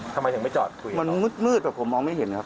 ทำไมถึงไม่จอดกูอีกครับมันมืดอะผมมองไม่เห็นครับ